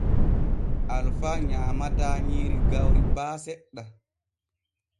Alfa nyaamataa nyiiri gawri baa seɗɗa.